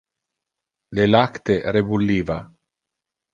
Le lacte rebulliva.